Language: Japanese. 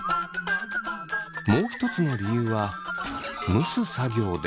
もう一つの理由は蒸す作業で。